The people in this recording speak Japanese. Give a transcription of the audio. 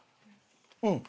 うん。